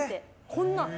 こんなの。